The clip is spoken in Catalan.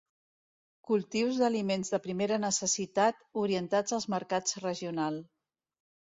Cultius d’aliments de primera necessitat orientats als mercats regional.